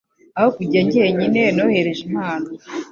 Aho kujya njyenyine, nohereje impano.